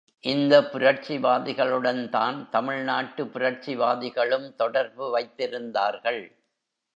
இந்த புரட்சிவாதிகளுடன் தான் தமிழ்நாட்டு புரட்சிவாதிகளும் தொடர்பு வைத்திருந்தார்கள்.